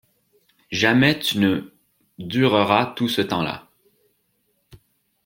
Jamais tu ne dureras tout ce temps-là.